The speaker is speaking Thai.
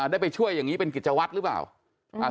ได้ไปช่วยอย่างนี้เป็นกิจวัตรหรือเปล่า